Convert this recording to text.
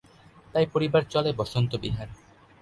তাই পরিবার চলে বসন্ত বিহার।